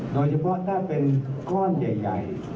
โดยเฉพาะถ้าเป็นก้อนใหญ่